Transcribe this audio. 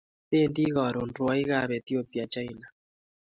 Pendi karu rwaik ab Ethopia china